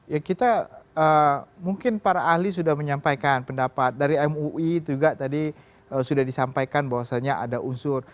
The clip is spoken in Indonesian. ya kita mungkin para ahli sudah menyampaikan pendapat dari mui juga tadi sudah disampaikan bahwasannya ada unsur